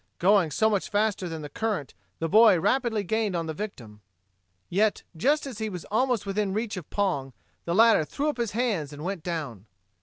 Going so much faster than the current, the boy rapidly gained on the victim. Yet, just as he was almost within reach of Pong, the latter threw up his hands and went down.